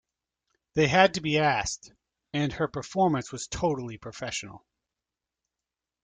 They had to be asked, and her performance was totally professional.